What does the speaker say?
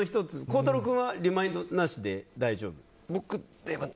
孝太郎君はリマインドなしで大丈夫？